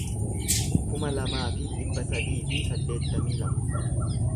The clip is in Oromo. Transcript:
kuma lamaa fi dhibba sadii fi saddeettamii lama